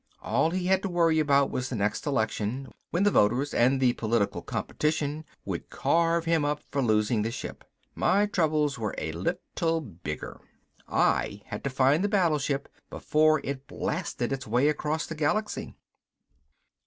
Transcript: All he had to worry about was the next election, when the voters and the political competition would carve him up for losing the ship. My troubles were a little bigger. I had to find the battleship before it blasted its way across the galaxy.